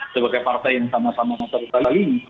sebagai partai yang sama sama masyarakat lain